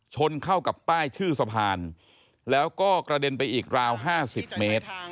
ชนเข้ากับป้ายชื่อสะพานแล้วก็กระเด็นไปอีกราว๕๐เมตร